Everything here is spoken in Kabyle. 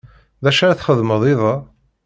D acu ara txedmeḍ iḍ-a?